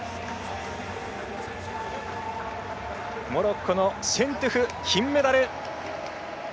モロッコのシェントゥフ金メダル！